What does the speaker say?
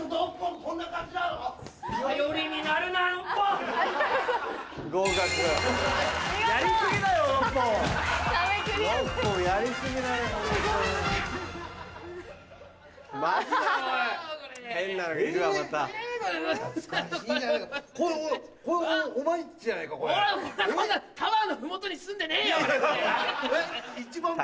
こんなタワーの麓に住んでねえよ！